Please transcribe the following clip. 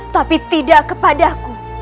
tapi tidak kepada aku